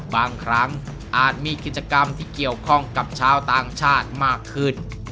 บางครั้งอาจมีกิจกรรมที่เกี่ยวข้องกับชาวต่างชาติมากขึ้น